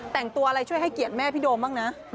แต่งตัวอะไรช่วยให้เกียรติแม่พี่โดมบ้างนะ